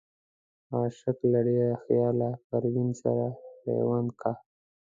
عاشق له ډېره خياله پروين سره پيوند کا